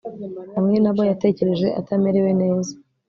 hamwe na bo, yatekereje atamerewe neza